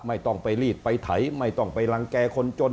ไม่ต้องไปรีดไปไถไม่ต้องไปรังแก่คนจน